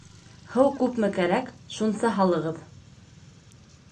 Һыу күпме кәрәк, шунса һалығыҙ